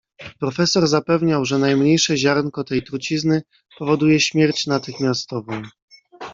"Profesor zapewniał, że najmniejsze ziarnko tej trucizny powoduje śmierć natychmiastową."